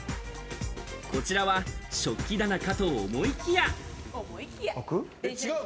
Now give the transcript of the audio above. こちらは食器棚かと思いきや。